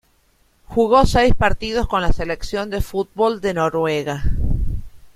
Jugó seis partidos con la selección de fútbol de Noruega.